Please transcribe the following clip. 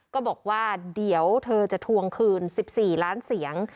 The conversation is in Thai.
ก็บอกว่าเดี๋ยวเธอจะทวงคืน๑๔ล้านเสียง